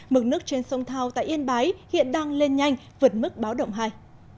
mực nước trên sông thao tại yên bái hiện đang lên nhanh vượt mức báo động hai